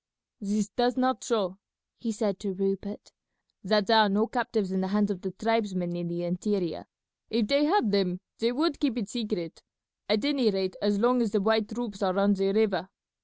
"This does not show," he said to Rupert, "that there are no captives in the hands of the tribesmen in the interior. If they had them they would keep it secret, at any rate as long as the white troops are on the river.